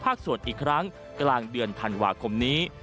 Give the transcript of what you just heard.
สวดอีกครั้งกลางเดือนธันวาคมนี้